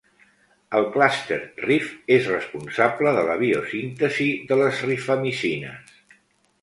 El clúster "rif" és responsable de la biosíntesi de les rifamicines.